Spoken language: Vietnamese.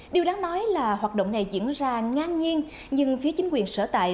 điều đáng nói là hoạt động này diễn ra ngang nhiên nhưng phía chính quyền sở tại